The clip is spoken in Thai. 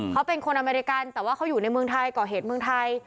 เขาเป็นคนอเมริกันแต่ว่าเขาอยู่ในเมืองไทยก่อเหตุเมืองไทย